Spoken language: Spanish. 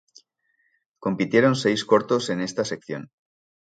Compitieron seis cortos en esta sección.